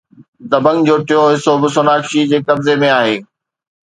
دبنگ جو ٽيون حصو به سوناکشي جي قبضي ۾ آهي